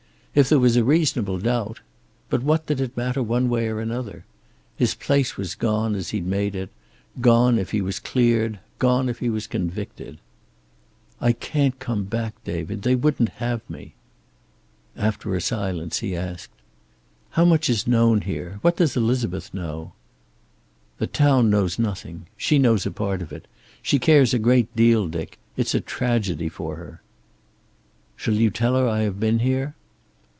If there was a reasonable doubt but what did it matter one way or the other? His place was gone, as he'd made it, gone if he was cleared, gone if he was convicted. "I can't come back, David. They wouldn't have me." After a silence he asked: "How much is known here? What does Elizabeth know?" "The town knows nothing. She knows a part of it. She cares a great deal, Dick. It's a tragedy for her." "Shall you tell her I have been here?"